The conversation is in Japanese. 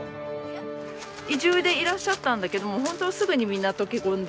移住でいらっしゃったんだけどもホントすぐにみんな溶け込んで。